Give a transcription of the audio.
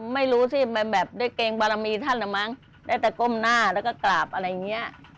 ไม่รู้สิมันแบบได้เกรงบารมีท่านเหรอมั้งได้แต่ก้มหน้าแล้วก็กราบอะไรอย่างนี้